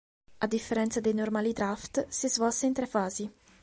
A differenza dei normali draft, si svolse in tre fasi.